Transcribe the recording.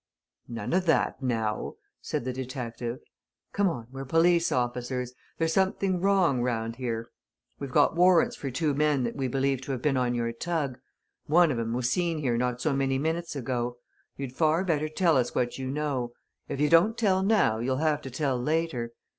"None of that, now!" said the detective. "Come on we're police officers. There's something wrong round here. We've got warrants for two men that we believe to have been on your tug one of 'em was seen here not so many minutes ago. You'd far better tell us what you know. If you don't tell now, you'll have to tell later.